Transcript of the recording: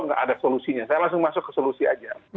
nggak ada solusinya saya langsung masuk ke solusi aja